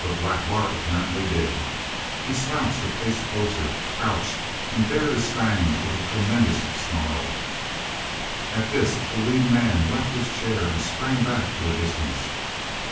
But Black Bart apparently did. He slouched a pace closer, crouched, and bared his fangs with a tremendous snarl. At this the lean man left his chair and sprang back to a distance.